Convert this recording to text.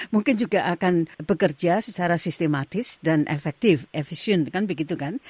mungkin juga akan bekerja secara sistematis dan efektif efisien kan begitu kan